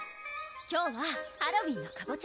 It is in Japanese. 今日はハロウィーンのかぼちゃ